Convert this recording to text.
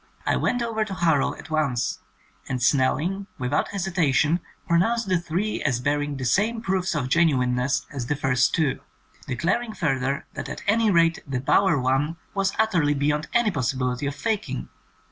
I went over to Harrow at once, and Snell ing without hesitation pronounced the three as bearing the same proofs of genuineness as the first two, declaring further that at any rate the "bower" one was utterly beyond any possibility of faking!